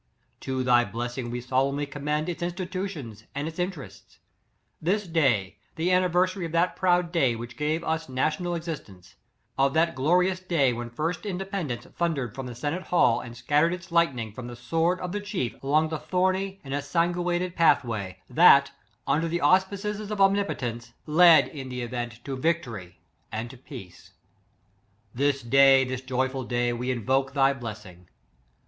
To thy blessing we solemnly commend its institutions and its inter ests. This day, the anniversary of that proud day which gave us national ex istence; of that glorious day, when first independence thundered from the Se nate Hall, and scattered its lightening from the sword of the chief along the thorny and ensanguined pathway, that, un der the auspices of Omnipotence, led. m the event, to victory and to peace; this day, this joyful day, we invoke thy bless ing.